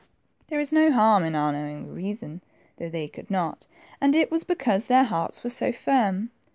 There is no harm in our knowing the reason, though they could not, and it was because their hearts were so firm.